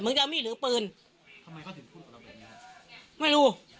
มึงจะเอามีดหรือปืนทำไมเขาถึงพูดกับเราแบบนี้